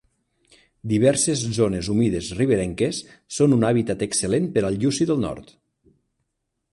Diverses zones humides riberenques són un hàbitat excel·lent per al lluci del nord.